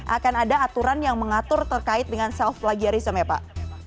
akan ada aturan yang mengatur terkait dengan self plagiarism ya pak